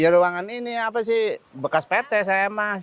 ya ruangan ini apa sih bekas pt saya mas